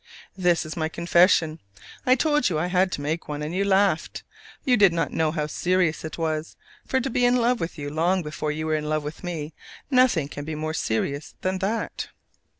This is my confession: I told you I had one to make, and you laughed: you did not know how serious it was for to be in love with you long before you were in love with me nothing can be more serious than that!